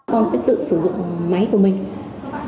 con sẽ tự sử dụng máy của mình